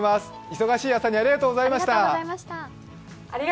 忙しい朝にありがとうございました。